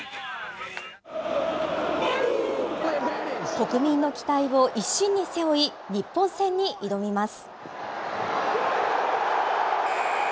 国民の期待を一身に背負い、日本戦に挑みます。